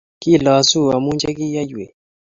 Kilosu amu che kiyaiwech;